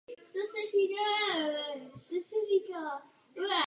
Se studiem na střední škole se přesunula do Jilemnice za lepšími sportovními podmínkami.